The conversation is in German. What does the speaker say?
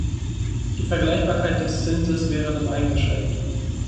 Die Vergleichbarkeit des Zinses wäre dann eingeschränkt.